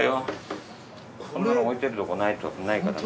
こんなの置いてるとこないからね。